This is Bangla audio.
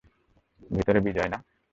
ভেতরে বিজয় না?